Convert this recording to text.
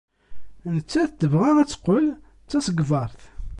Nettat tebɣa ad teqqel d tasegbart.